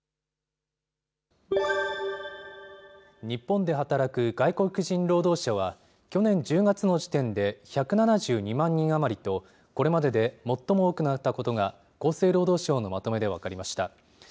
日本で働く外国人労働者は、去年１０月の時点で、１７２万人余りと、これまでで最も多くなったことが、厚生労働省のまとめで分かりました。